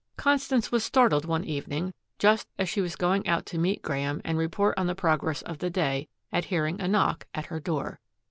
Constance was startled one evening just as she was going out to meet Graeme and report on the progress of the day at hearing a knock at her door.